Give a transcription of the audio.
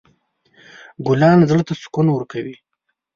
ګلان زړه ته سکون ورکوي.